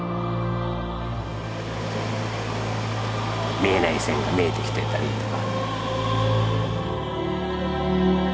見えない線が見えてきてたりとか。